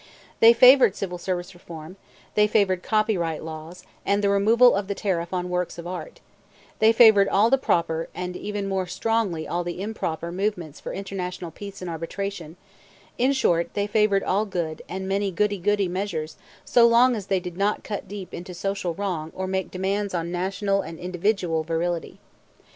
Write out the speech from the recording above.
They favored Civil Service Reform; they favored copyright laws, and the removal of the tariff on works of art; they favored all the proper (and even more strongly all the improper) movements for international peace and arbitration; in short, they favored all good, and many goody goody, measures so long as they did not cut deep into social wrong or make demands on National and individual virility.